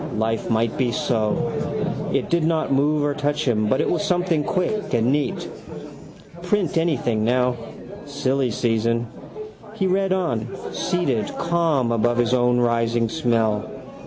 Life might be so. It did not move or touch him but it was something quick and neat. Print anything now. Silly season. He read on, seated calm above his own rising smell.